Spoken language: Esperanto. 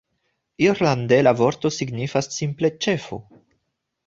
Irlande la vorto signifas simple "ĉefo".